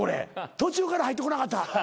途中から入ってこなかった。